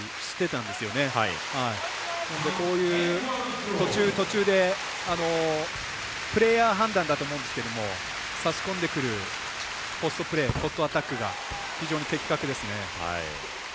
なので、こういう途中途中でプレーヤー判断だと思うんですが差し込んでくる、ポストプレーがポストアタックが非常に的確ですね。